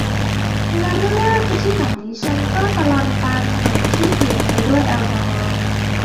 และไม่ว่าจะที่ไหนฉันก็ตะลอนตามถนนที่เปียกไปด้วยแอลกอฮอล์